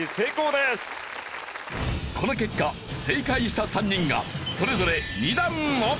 この結果正解した３人がそれぞれ２段アップ。